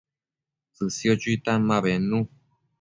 tsësio chuitan ma bednu